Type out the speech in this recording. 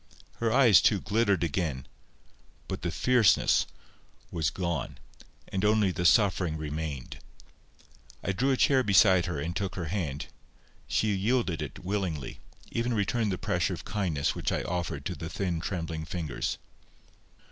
Her eyes, too, glittered again, but the fierceness was gone, and only the suffering remained. I drew a chair beside her, and took her hand. She yielded it willingly, even returned the pressure of kindness which I offered to the thin trembling fingers.